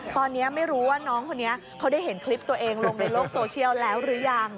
ตอนนี้ไม่รู้ว่าน้องคนนี้เขาได้เห็นคลิปตัวเองลงในโลกโซเชียลแล้วหรือยัง